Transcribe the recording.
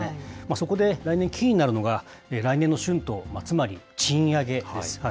そこで、来年、キーになるのが来年の春闘、つまり賃上げです。